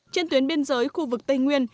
trên tuyến biên giới khu vực tây nguyên